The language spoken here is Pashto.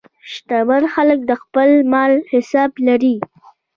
شتمن خلک د خپل مال حساب لري.